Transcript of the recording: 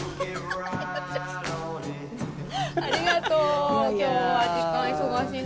ありがとう今日は時間忙しいのに。